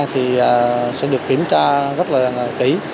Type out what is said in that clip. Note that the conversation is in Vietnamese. thì sẽ được kiểm tra rất là kỹ